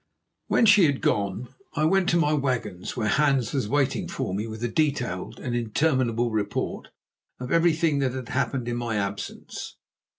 When she had gone I went to my wagons, where Hans was waiting for me with a detailed and interminable report of everything that had happened in my absence.